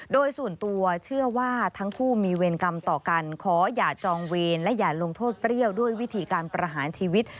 โดยส่วนตัวเชื่อว่าทั้งคู่มีเวรกรรมต่อกันขออย่าจองเวรและอย่าลงโทษเปรี้ยวด้วยวิธีการประหารชีวิต